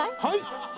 はい！